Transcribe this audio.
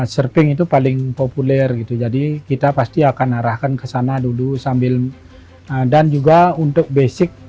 surfing itu paling populer gitu jadi kita pasti akan arahkan ke sana dulu sambil dan juga untuk basic